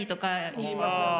言いますよね。